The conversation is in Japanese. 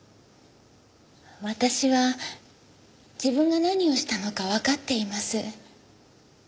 私は自分が何をしたのかわかっています。